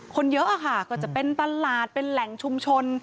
คนเยอะค่ะก็จะเป็นตลาดเป็นแหล่งชุมชน